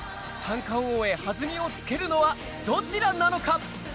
三冠王へ弾みをつけるのはどちらなのか。